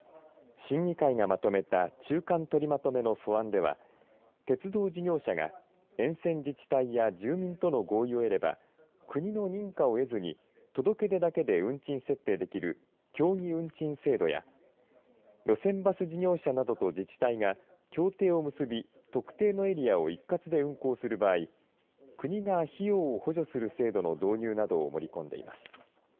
審議会がまとめた中間とりまとめの素案では鉄道事業者が沿線自治体や住民との合意を得れば国の認可を得ずに届け出だけで運賃設定できる協議運賃制度や路線バス事業者などと自治体が協定を結び特定のエリアを一括で運行する場合国が費用を補助する制度の導入などを盛り込んでいます。